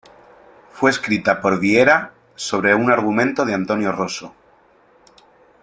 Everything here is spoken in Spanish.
Fue escrita por Vieyra sobre un argumento de Antonio Rosso.